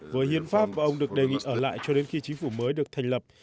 với hiến pháp và ông được đề nghị ở lại cho đến khi chính phủ mới được thành lập